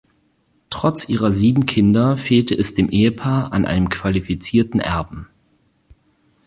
Trotz ihrer sieben Kinder fehlte es dem Ehepaar an einem qualifizierten Erben.